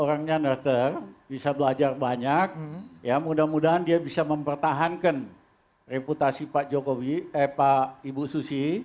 orangnya nerter bisa belajar banyak ya mudah mudahan dia bisa mempertahankan reputasi pak jokowi eh pak ibu susi